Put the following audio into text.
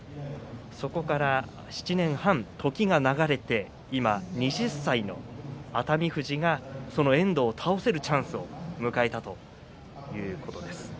そこから７年半、時が流れて今は２０歳の熱海富士がその遠藤を倒せるチャンスを迎えています。